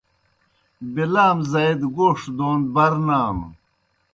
بیلام زائی دہ گوݜ دون بر نانوْ۔